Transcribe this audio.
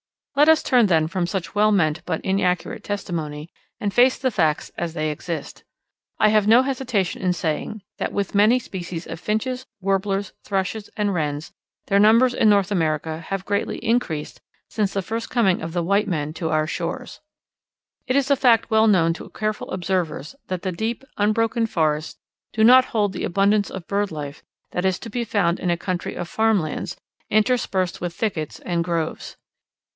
Let us turn then from such well meant but inaccurate testimony, and face the facts as they exist. I have no hesitation in saying that with many species of Finches, Warblers, Thrushes, and Wrens, their numbers in North America have greatly increased since the first coming of the white men to our shores. It is a fact well known to careful observers that the deep, unbroken forests do not hold the abundance of bird life that is to be found in a country of farmlands, interspersed with thickets and groves.